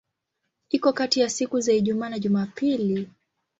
Iko kati ya siku za Ijumaa na Jumapili.